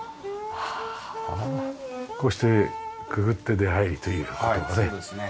こうしてくぐって出入りという事でね。